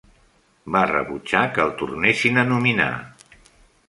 Va rebutjar que el tornessin a nominar.